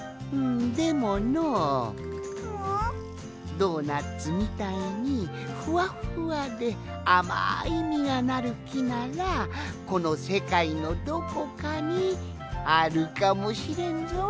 ドーナツみたいにふわっふわであまいみがなるきならこのせかいのどこかにあるかもしれんぞい。